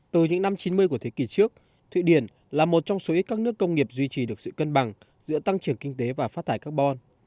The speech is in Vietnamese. từ những năm chín mươi của thế kỷ trước thụy điển là một trong số ít các nước công nghiệp duy trì được sự cân bằng giữa tăng trưởng kinh tế và phát thải carbon